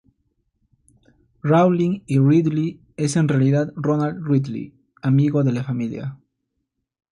Rowling y Ridley es en realidad Ronald Ridley, amigo de la familia.